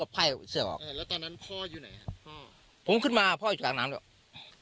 ผมขึ้นมาพ่ออยู่ที่กางหนาลใช่ไหม